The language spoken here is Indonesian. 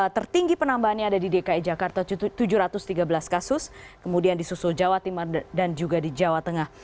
tertinggi penambahannya ada di dki jakarta tujuh ratus tiga belas kasus kemudian di susul jawa timur dan juga di jawa tengah